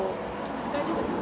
大丈夫ですか。